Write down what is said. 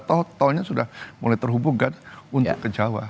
toh tohnya sudah mulai terhubungkan untuk ke jawa